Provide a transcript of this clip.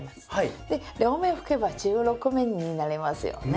で両面拭けば１６面になりますよね。